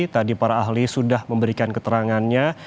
tadi para ahli sudah memberikan keterangannya